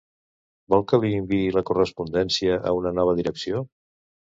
Vol que li enviï la correspondència a una nova direcció?